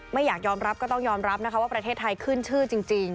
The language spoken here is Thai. ไม่อยากยอมรับก็ต้องยอมรับนะคะว่าประเทศไทยขึ้นชื่อจริง